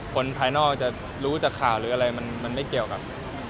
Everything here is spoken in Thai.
คนภายนอกจะรู้จากข่าวหรืออะไรมันไม่เกี่ยวกับ